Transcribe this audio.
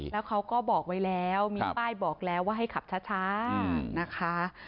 แล้วเขาก็บอกไว้แล้วมีป้ายบอกแล้วว่าให้ขับช้านะคะ